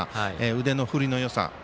腕の振りのよさ。